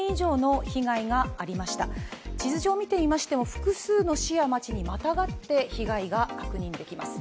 複数の市や町にまたがって被害が確認できます。